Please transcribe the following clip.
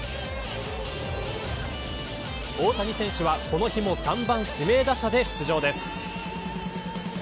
大谷選手は、この日も３番指名打者で出場です。